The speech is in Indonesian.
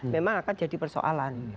memang akan jadi persoalan